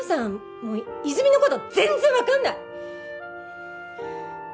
もう泉のこと全然分かんない！